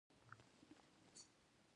زه له ګرمو جامو کار اخلم.